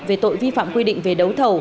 về tội vi phạm quy định về đấu thầu